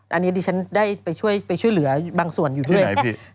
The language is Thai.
อันนี้ดิฉันได้ไปช่วยเหลือบางส่วนอยู่ด้วย